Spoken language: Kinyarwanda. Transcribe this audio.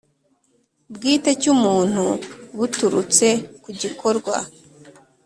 Bwite cy umuntu buturutse ku gikorwa